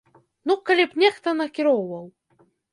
Ну, калі б нехта накіроўваў.